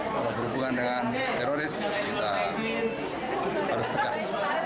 kalau berhubungan dengan teroris kita harus tegas